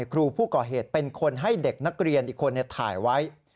ครูผู้ก่อเหตุเป็นคนให้เด็กนักเรียนอีกคนถ่ายไว้